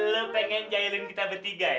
lo pengen kita bertiga ya